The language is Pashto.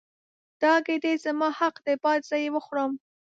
دا ګیډۍ زما حق دی باید زه یې وخورم.